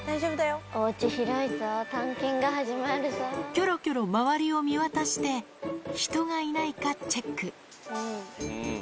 きょろきょろ周りを見渡して、人がいないかチェック。